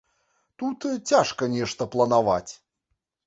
Тут цяжка нешта планаваць.